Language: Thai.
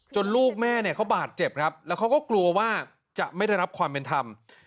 ลูกแม่เนี่ยเขาบาดเจ็บครับแล้วเขาก็กลัวว่าจะไม่ได้รับความเป็นธรรม